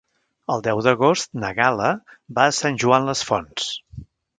El deu d'agost na Gal·la va a Sant Joan les Fonts.